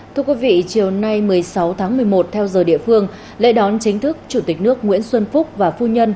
thưa quý vị chiều nay một mươi sáu tháng một mươi một theo giờ địa phương lễ đón chính thức chủ tịch nước nguyễn xuân phúc và phu nhân